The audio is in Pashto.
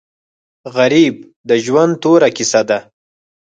غریب د ژوند توره کیسه ده